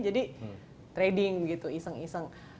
jadi trading gitu iseng iseng